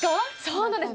そうなんです。